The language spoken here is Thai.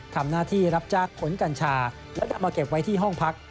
ทำหน้าที่รับจ้างขนกัญชาและนำมาเก็บไว้ที่ห้องพัก